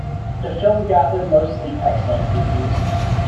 The film gathered mostly excellent reviews.